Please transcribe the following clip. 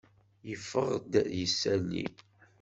Yeffeɣ-d yisali.